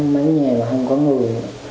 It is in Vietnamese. mấy nhà mà không có người